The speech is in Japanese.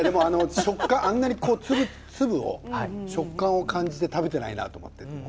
あんなにを食感を感じて食べていないなと思って。